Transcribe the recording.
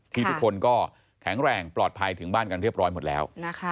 ที่ทุกคนก็แข็งแรงปลอดภัยถึงบ้านกันเรียบร้อยหมดแล้ว